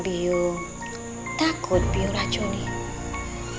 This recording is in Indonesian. kamu takut aku akan meracuni kamu